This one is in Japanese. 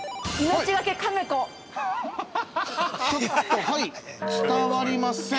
◆ちょっと伝わりません。